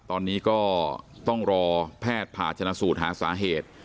ตอนนี้ก็ต้องรอแพทย์ผ่าชนะสูตรหาสาเหตุ